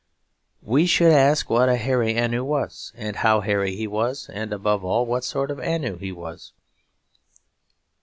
We should ask what a Hairy Ainu was, and how hairy he was, and above all what sort of Ainu he was.